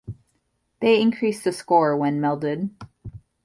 They increase the score when melded.